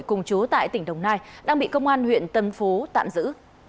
cùng chú tại tỉnh đồng nai đang bị công an huyện tân phú tạm giữ